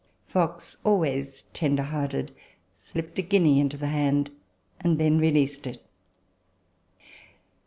Fox, always tender hearted, slipped a guinea into the hand, and then released it.